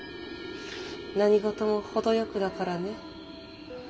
何事も程よくだからね。